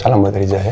salam buat riza ya